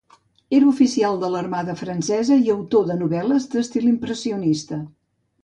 Era oficial de l'armada francesa i autor de novel·les d'estil impressionista.